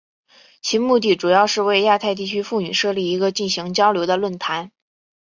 其目的主要是为亚太地区妇女设立一个进行交流的论坛。